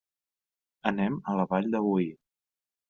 Anem a la Vall de Boí.